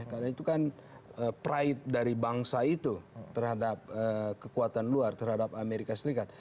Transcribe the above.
karena itu kan pride dari bangsa itu terhadap kekuatan luar terhadap amerika serikat